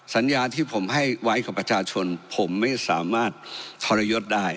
สัญญาที่ผมให้ไว้กับประชาชนผมไม่สามารถทรยศได้